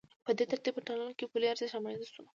په دې ترتیب په ټولنه کې پولي ارزښت رامنځته شو